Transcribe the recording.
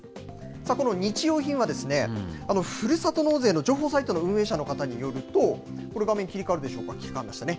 この日用品は、ふるさと納税の情報サイトの運営者の方によると、画面、切り替わるでしょうか、切り替わりましたね。